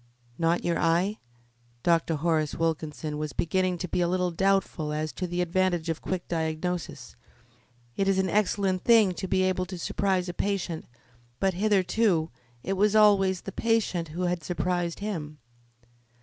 "Not your eye?" Dr. Horace Wilkinson was beginning to be a little doubtful as to the advantages of quick diagnosis. It is an excellent thing to be able to surprise a patient, but hitherto it was always the patient who had surprised him.